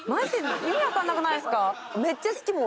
意味わかんなくないですか？